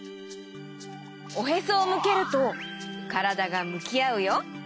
おへそをむけるとからだがむきあうよ。